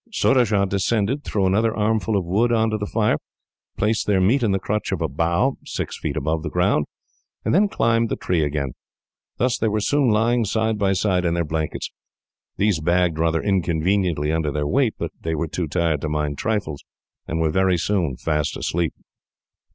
Surajah descended, threw another armful of wood on to the fire, placed their meat in the crutch of a bough, six feet above the ground, and then climbed the tree again. Thus, they were soon lying, side by side, in their blankets. These bagged rather inconveniently under their weight, but they were too tired to mind trifles, and were very soon fast asleep.